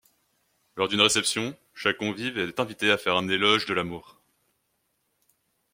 Lors d'une réception chaque convive est invité à faire un éloge de l'amour.